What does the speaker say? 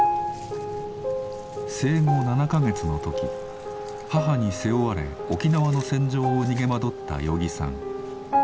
生後７か月の時母に背負われ沖縄の戦場を逃げ惑った与儀さん。